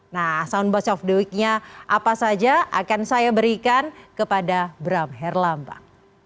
nah sound bouse of the week nya apa saja akan saya berikan kepada bram herlambang